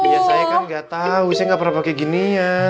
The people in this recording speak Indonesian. ya saya kan ga tau saya ga pernah pake ginian